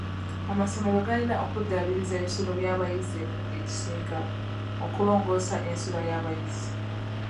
Amasomero galina okudaabiriza ebisulo by'abayizi emirundi egisinga okulongoosa ensula y'abayizi .